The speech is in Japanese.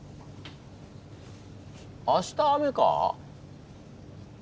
明日雨か。